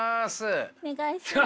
お願いします。